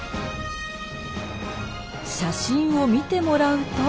写真を見てもらうと。